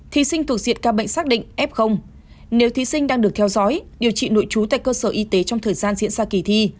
thí sinh thuộc diện ca bệnh xác định f nếu thí sinh đang được theo dõi điều trị nội trú tại cơ sở y tế trong thời gian diễn ra kỳ thi